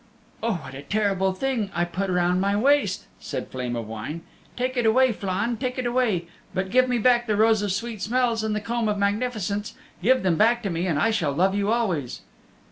"Oh, what a terrible thing I put round my waist," said Flame of Wine. "Take it away, Flann, take it away. But give me back the Rose of Sweet Smells and the Comb of Magnificence, give them back to me and I shall love you always."